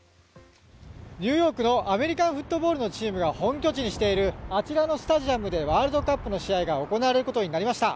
ニューヨークのアメリカンフットボールのチームが本拠地にしているあちらのスタジアムでワールドカップの試合が行われることになりました。